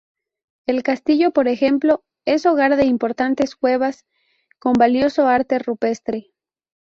El Castillo, por ejemplo, es hogar de importantes cuevas con valioso arte rupestre.